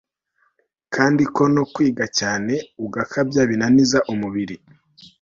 kandi ko no kwiga cyane ugakabya binaniza umubiri